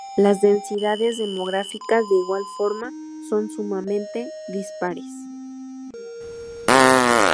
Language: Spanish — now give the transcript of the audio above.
Las densidades demográficas de igual forma son sumamente dispares.